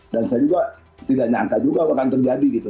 dan saya juga tidak nyangka juga akan terjadi gitu